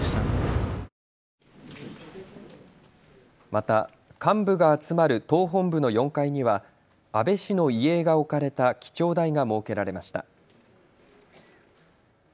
また幹部が集まる党本部の４階には安倍氏の遺影が置かれた記帳台が設けられました。